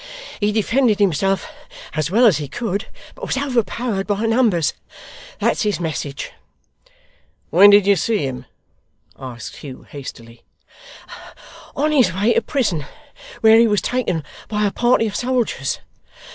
He defended himself as well as he could, but was overpowered by numbers. That's his message.' 'When did you see him?' asked Hugh, hastily. 'On his way to prison, where he was taken by a party of soldiers.